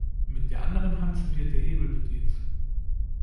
Mit der anderen Hand wird der Hebel bedient.